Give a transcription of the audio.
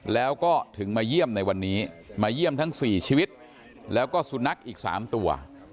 แล้วก็ถึงมาเยี่ยมในวันนี้มาเยี่ยมทั้ง๔ชีวิตแล้วก็สุนัขอีก๓ตัว